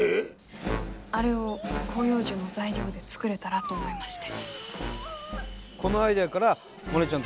あれを広葉樹の材料で作れたらと思いまして。